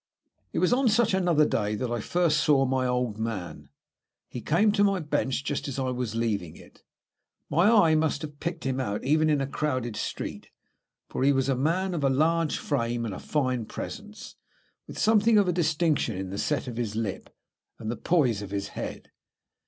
It was on such another day that I first saw my old man. He came to my bench just as I was leaving it. My eye must have picked him out even in a crowded street, for he was a man of large frame and fine presence, with something of distinction in the set of his lip and the poise of his head.